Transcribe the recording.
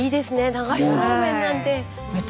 流しそうめんなんて。